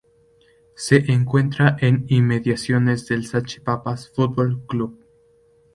Se encuentra en inmediaciones del Sacachispas Fútbol Club.